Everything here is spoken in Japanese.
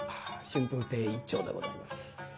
春風亭一朝でございます。